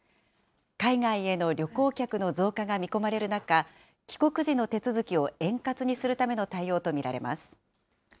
海外への旅行客の増加が見込まれる中、帰国時の手続きを円滑にするための対応と見られます。